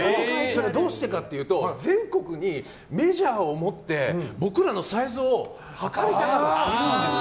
どうしてかというと全国にメジャーを持って僕らのサイズを測りたがるんです。